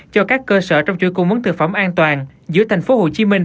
cho các cơ sở trong chuỗi cung mấn thực phẩm an toàn giữa thành phố hồ chí minh